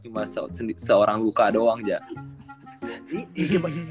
cuma seorang buka doang jaya